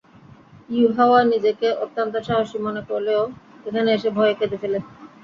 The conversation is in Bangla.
ইউহাওয়া নিজেকে অত্যন্ত সাহসী মনে করলেও এখানে এসে ভয়ে কেঁদে ফেলে।